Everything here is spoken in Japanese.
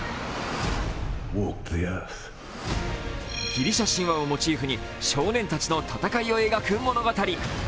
ギリシャ神話をモチーフに少年たちの戦いを描く物語。